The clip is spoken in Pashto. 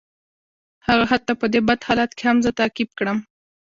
هغه حتی په دې بد حالت کې هم زه تعقیب کړم